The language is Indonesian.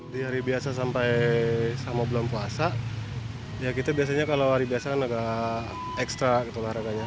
di hari biasa sampai sama bulan puasa ya kita biasanya kalau hari biasa kan agak ekstra gitu olahraganya